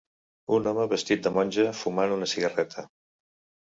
Un home vestit de monja fumant una cigarreta